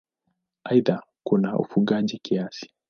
Aidha kuna ufugaji kiasi.